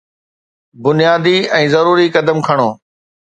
بنيادي ۽ ضروري قدم کڻو